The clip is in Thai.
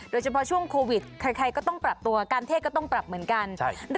โดยเฉพาะช่วงโควิดใครก็ต้องปรับตัวการเทศก็ต้องปรับเหมือนกัน